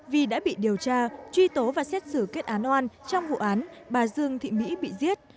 vì đã bị điều tra truy tố và xét xử kết án oan trong vụ án bà dương thị mỹ bị giết